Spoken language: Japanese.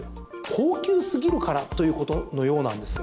高級すぎるからということのようなんですよ。